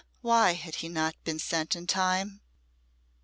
why had he not been sent in time?